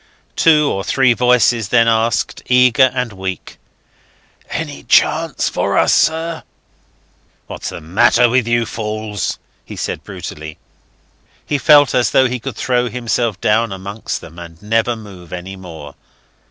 Two or three voices then asked, eager and weak, "Any chance for us, sir?" "What's the matter with you fools?" he said brutally. He felt as though he could throw himself down amongst them and never move any more.